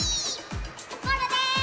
コロです！